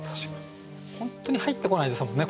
本当に入ってこないですもんね。